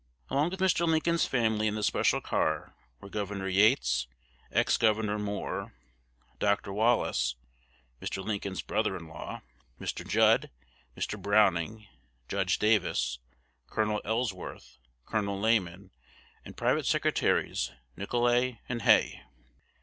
Along with Mr. Lincoln's family in the special car were Gov. Yates, Ex Gov. Moore, Dr. Wallace (Mr. Lincoln's brother in law), Mr. Judd, Mr. Browning, Judge Davis, Col. Ellsworth, Col. Lamon, and private secretaries Nicolay and Hay.